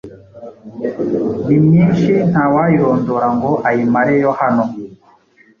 ni myinshi ntawayirondora ngo ayimareyo hano.